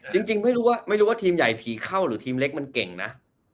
จริงไม่รู้ว่าทีมใหญ่ผีเข้าหรือทีมเล็กมันเก่งนะ